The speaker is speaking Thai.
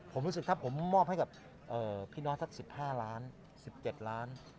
ผมรู้สึกถ้าผมมอบแลกับพี่น้อยทัศน์๑๕ล้าน